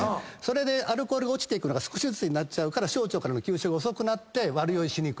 アルコールが落ちていくのが少しずつになっちゃうから小腸からの吸収が遅くなって悪酔いしにくいと。